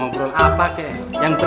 kamu kelihatan saja lo patah r doppler